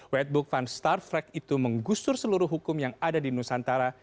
wetboek van starverk itu menggusur seluruh hukum yang ada di nusantara